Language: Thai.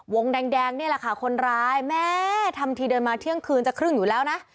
วงแดงนี่แหละค่ะคนร้ายแม่ทำทีเดินมาเที่ยงคืนจะครึ่งอยู่แล้วนะ